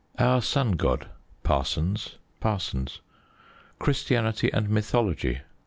Our Sun God. Parsons. Parsons. _Christianity and Mythology.